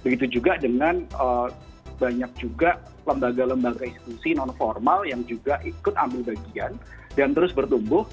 begitu juga dengan banyak juga lembaga lembaga institusi non formal yang juga ikut ambil bagian dan terus bertumbuh